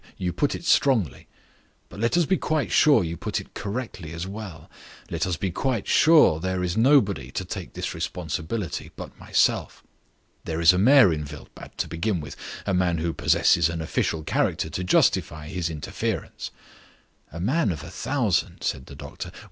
"You put it strongly; let us be quite sure you put it correctly as well. Let us be quite sure there is nobody to take this responsibility but myself. There is a mayor in Wildbad, to begin with a man who possesses an official character to justify his interference." "A man of a thousand," said the doctor.